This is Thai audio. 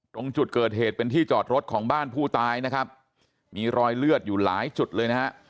ตรงจุดเกิดเหตุเป็นที่จอดรถของบ้านผู้ตายนะครับมีรอยเลือดอยู่หลายจุดเลยนะฮะ